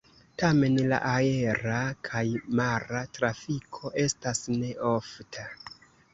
Tamen la aera kaj mara trafiko estas ne ofta.